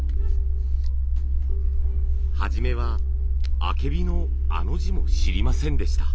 初めはあけびの「あ」の字も知りませんでした。